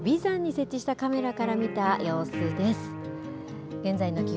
現在の徳島市の眉山に設置したカメラから見た様子です。